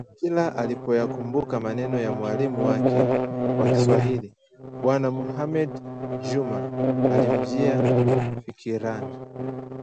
Kila alipoyakumbuka maneno ya mwalimu wake wa Kiswahili, Bwana Muhammed Juma alimjia fikirani